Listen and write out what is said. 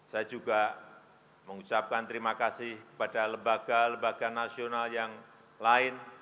saya juga mengucapkan terima kasih kepada lembaga lembaga nasional yang lain